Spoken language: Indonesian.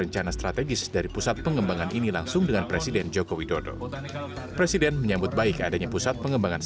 yang kreatif yang inovatif itu dikumpulkan